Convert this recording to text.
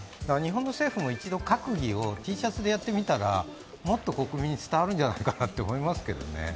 日本の政府も一度、閣議をＴシャツでやってみたらもっと国民に伝わるんじゃないかなと思いますけどね。